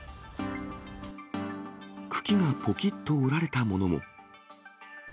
茎がぽきっと折られたものも。